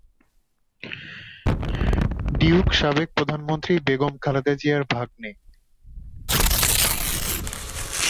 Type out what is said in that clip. Duke সাবেক প্রধানমন্ত্রী বেগম খালেদা জিয়ার ভাগ্নে।